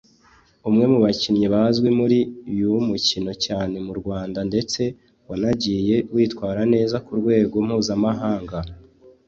umwe mu bakinnyi bazwi muri uyu mukino cyane mu Rwanda ndetse wanagiye yitwara neza ku rwego mpuzamahanga